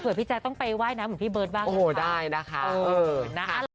เผื่อพี่แจ๊กต้องไปไหว้น้ำเหมือนพี่เบิร์ตบ้างนะคะโอ้โหได้นะคะเออเออนะครับ